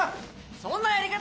そんなやり方